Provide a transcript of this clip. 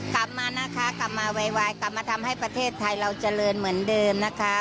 กลับมานะคะกลับมาไวกลับมาทำให้ประเทศไทยเราเจริญเหมือนเดิมนะคะ